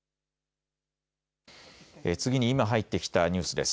次に今入ってきたニュースです。